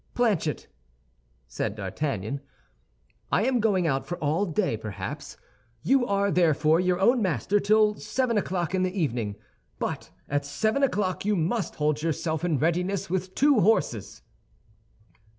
"Planchet," said D'Artagnan, "I am going out for all day, perhaps. You are, therefore, your own master till seven o'clock in the evening; but at seven o'clock you must hold yourself in readiness with two horses."